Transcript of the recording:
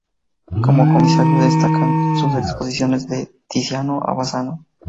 Como comisario, destacan sus exposiciones "De Tiziano a Bassano.